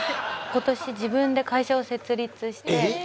今年自分で会社を設立して。